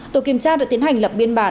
tổ kiểm tra đã tiến hành lập biên bản